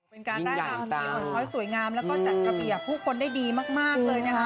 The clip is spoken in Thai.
เป็นการได้ราวมีหวังช้อยสวยงามและก็จัดระเบียบผู้คนได้ดีมากเลยนะคะ